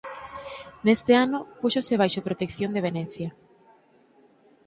Neste ano púxose baixo protección de Venecia.